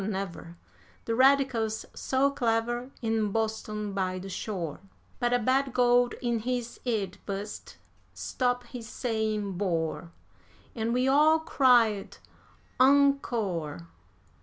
never, The Radicals so clever, in Boston by the shore; But a bad gold in his 'ead bust stop his saying bore, And we all cried encore.